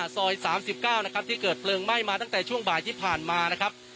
ซอย๓๙นะครับที่เกิดเพลิงไหม้มาตั้งแต่ช่วงบ่ายที่ผ่านมานะครับ